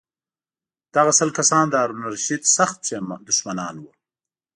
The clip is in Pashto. دغه سل کسان د هارون الرشید سخت دښمنان وو.